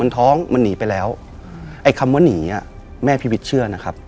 ท้องมันหนีไปแล้วไอ้คำว่าหนีอ่ะแม่พีวิทย์เชื่อนะครับ